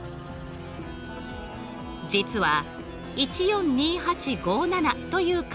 実は１４２８５７という数。